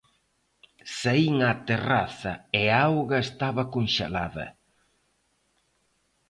Saín á terraza e a auga estaba conxelada.